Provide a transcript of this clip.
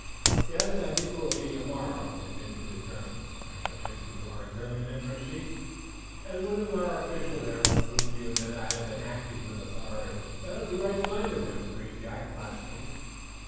"Yes; I think it will be to morrow," continued the German. "I shall take you to our German Embassy, and one of our officials there will prove to you that I have been acting with authority." "That'll be right fine of him," agreed Jack, placidly.